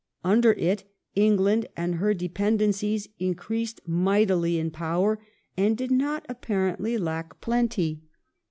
Under it, England and her dependencies inci eased mightily in power and did not apparently lack "plenty".